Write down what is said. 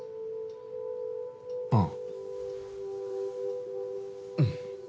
ああ。